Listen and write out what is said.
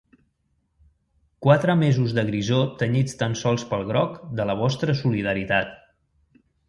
Quatre mesos de grisor tenyits tan sols pel groc de la vostra solidaritat.